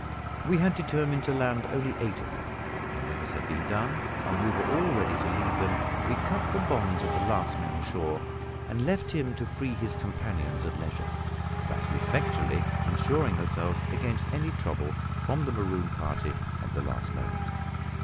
We had determined to land only eight of them; and when this had been done, and we were all ready to leave them, we cut the bonds of the last man ashore, and left him to free his companions at leisure, thus effectually insuring ourselves against any trouble from the marooned party at the last moment.